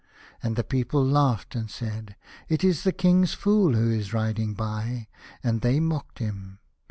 And the people laughed and said, "It is the King's fool who is riding by," and they mocked him.